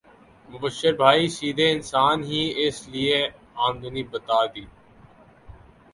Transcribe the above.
مبشر بھائی سیدھے انسان ہے اس لیے امدنی بتا دی